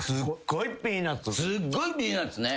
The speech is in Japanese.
すっごいピーナッツね。